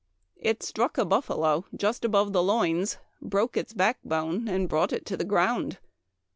It struck a buffalo just above the loins, broke its backbone, and brought it to the ground.